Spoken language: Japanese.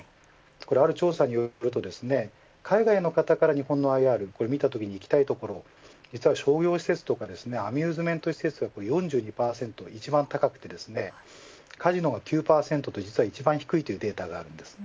ある調査によると海外の方から日本のＩＲを見たときに行きたい所実は商業施設とかアミューズメント施設が４２％と一番高くてカジノは９％と一番低いというデータがあります。